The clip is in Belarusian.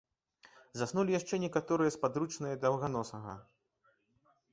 Заснулі яшчэ некаторыя спадручныя даўганосага.